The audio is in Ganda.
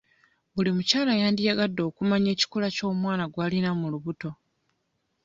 Buli mukyala yandiyagadde okumanya ekikula ky'omwana gw'alina mu lubuto.